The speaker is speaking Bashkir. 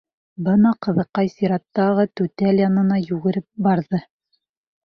Бына ҡыҙыҡай сираттағы түтәл янына югереп барҙы.